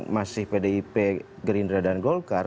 masih pdip gerindra dan golkar